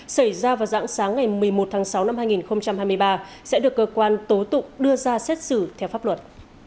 xảy ra vào giãng sáng ngày một mươi một tháng sáu năm hai nghìn hai mươi ba sẽ được cơ quan tố tụng đưa ra xét xử theo pháp luật